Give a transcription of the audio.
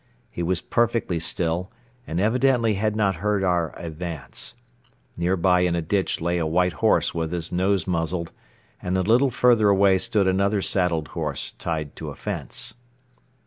He was perfectly still and evidently had not heard our advance. Nearby in a ditch lay a white horse with his nose muzzled and a little further away stood another saddled horse tied to a fence.